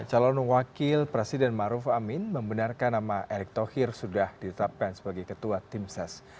calon wakil presiden maruf amin membenarkan nama erick thokir sudah ditetapkan sebagai ketua timses